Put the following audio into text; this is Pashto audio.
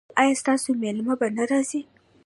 ایا ستاسو میلمه به را نه ځي؟